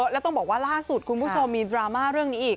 แล้วต้องบอกว่าล่าสุดคุณผู้ชมมีดราม่าเรื่องนี้อีก